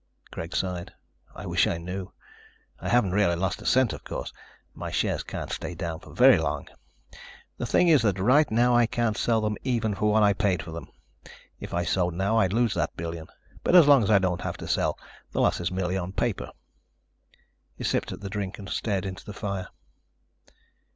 Greg sighed. "I wish I knew. I haven't really lost a cent, of course. My shares can't stay down for very long. The thing is that right now I can't sell them even for what I paid for them. If I sold now I'd lose that billion. But as long as I don't have to sell, the loss is merely on paper." He sipped at the drink and stared into the fire.